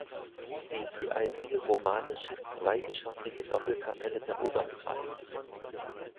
Sie ist die einzige romanische zweigeschossige Doppelkapelle der Oberpfalz.